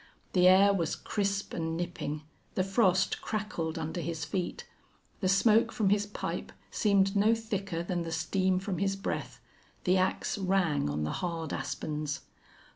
The air was crisp and nipping, the frost crackled under his feet, the smoke from his pipe seemed no thicker than the steam from his breath, the ax rang on the hard aspens.